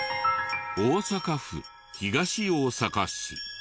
大阪府東大阪市。